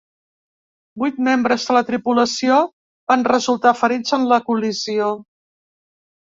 Vuit membres de la tripulació van resultar ferits en la col·lisió.